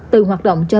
từ hoạt động trước